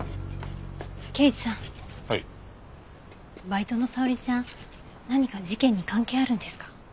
バイトの沙織ちゃん何か事件に関係あるんですか？